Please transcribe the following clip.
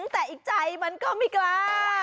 แต่อีกใจมันก็ไม่กล้า